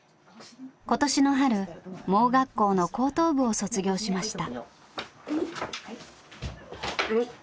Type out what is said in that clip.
今年の春盲学校の高等部を卒業しました。